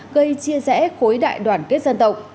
gây chia rẽ khối đại đoàn kết dân tộc